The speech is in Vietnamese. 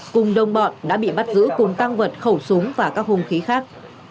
cùng đông bọn đã bị bắt giữ cùng tăng vật khẩu súng và các hung khí khác